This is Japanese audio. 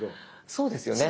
そうですよね。